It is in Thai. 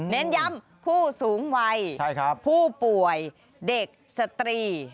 เน้นย้ำผู้สูงวัยผู้ป่วยเด็กสตรี